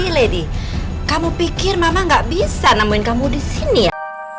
lady kamu pikir mama gak bisa nemuin kamu di sini ya